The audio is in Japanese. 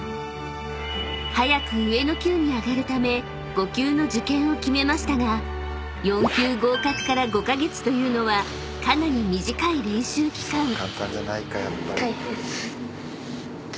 ［早く上の級に上がるため５級の受験を決めましたが４級合格から５カ月というのはかなり短い練習期間］